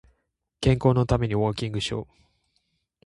健康のためにウォーキングをしよう